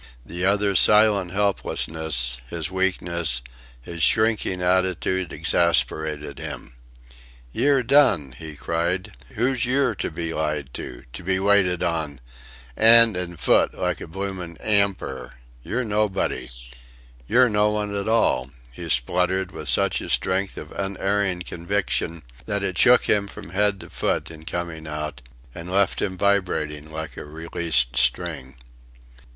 The other's silent helplessness, his weakness, his shrinking attitude exasperated him. "Ye're done!" he cried. "Who's yer to be lied to; to be waited on 'and an' foot like a bloomin' ymperor. Yer nobody. Yer no one at all!" he spluttered with such a strength of unerring conviction that it shook him from head to foot in coming out, and left him vibrating like a released string.